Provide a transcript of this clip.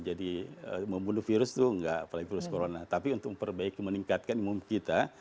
jadi membunuh virus itu enggak apalagi virus corona tapi untuk memperbaiki meningkatkan imun kita